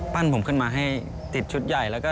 ปั้นผมขึ้นมาให้ติดชุดใหญ่